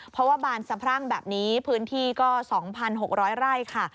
เพราะว่าบานสะพรั่งแบบนี้พื้นที่ก็๒๖๐๐ไร่ค่ะ